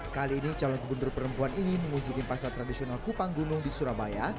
kali ini calon gubernur perempuan ini mengunjungi pasar tradisional kupang gunung di surabaya